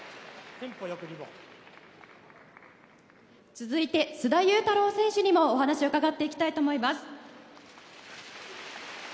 続いて、須田侑太郎選手にもお話を伺っていきたいと思います。